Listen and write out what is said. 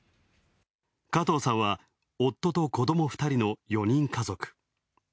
加藤さんは、夫と子供２人の４人家族。